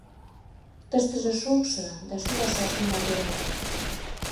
Тыштыже шокшо да шӱлашат нимо дене.